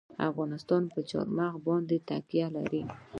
افغانستان په چار مغز باندې تکیه لري.